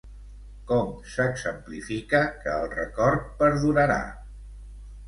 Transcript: Com s'exemplifica que el record perdurarà?